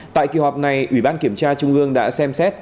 tại kỳ họp này ủy ban kiểm tra trung ương đã xem xét